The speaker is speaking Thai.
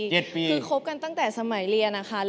คือคบกันตั้งแต่สมัยเรียนนะคะ